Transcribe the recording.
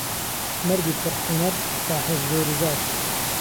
مەردی پر حونەر ساحێب زۆر و زات